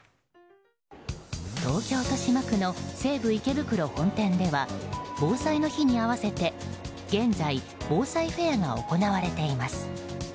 東京・豊島区の西武池袋本店では防災の日に合わせて現在、防災フェアが行われています。